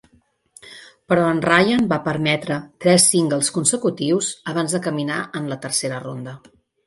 Però en Ryan va permetre tres singles consecutius abans de caminar en la tercera ronda.